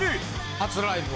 初ライブは？